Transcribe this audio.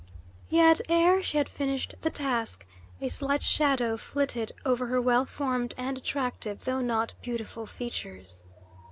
Yet, ere she had finished the task, a slight shadow flitted over her well formed and attractive though not beautiful features.